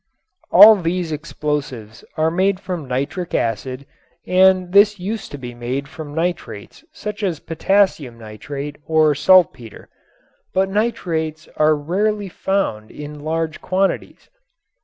All these explosives are made from nitric acid and this used to be made from nitrates such as potassium nitrate or saltpeter. But nitrates are rarely found in large quantities.